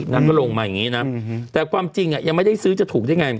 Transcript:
นางก็ลงมาอย่างนี้นะแต่ความจริงยังไม่ได้ซื้อจะถูกได้ไง